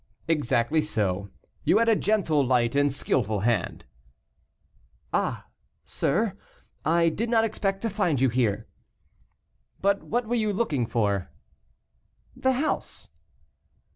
"Exactly so. You had a gentle, light, and skilful hand." "Ah, sir, I did not expect to find you here." "But what were you looking for?" "The house."